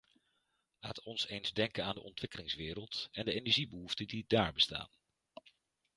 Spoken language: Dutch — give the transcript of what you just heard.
Laat ons eens denken aan de ontwikkelingswereld en de energiebehoeften die daar bestaan.